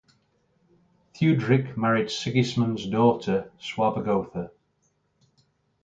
Theuderic married Sigismund's daughter Suavegotha.